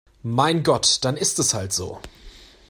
Mein Gott, dann ist es halt so!